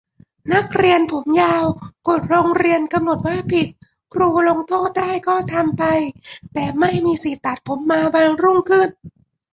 นักเรียนผมยาว กฎโรงเรียนกำหนดว่าผิด ครูลงโทษได้ ก็ทำไป แต่ไม่มีสิทธิตัดผม มาวันรุ่งขึ้น